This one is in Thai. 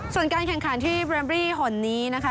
ส่วนการแข่งขันที่แรมรี่หนนี้นะคะ